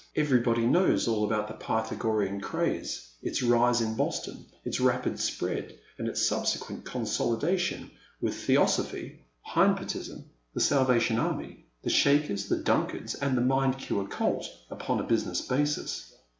Everybody knows all about the Pythagorean craze, its rise in Boston, its rapid spread, and its subsequent con solidation with Theosophy, Hynpotism, the Sal vation Army, the Shakers, the Dunkards, and the Mind Cure Cult, upon a business basis.